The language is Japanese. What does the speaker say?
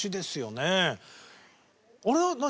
あれは何？